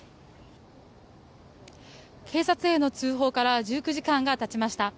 警察への通報から１９時間がたちました。